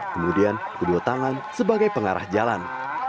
kemudian kedua tangan sebagai pengarah jalan